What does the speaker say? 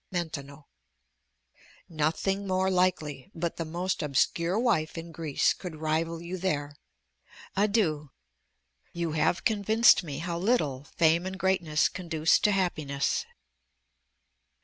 Maintenon Nothing more likely; but the most obscure wife in Greece could rival you there. Adieu! you have convinced me how little fame and greatness conduce to happiness.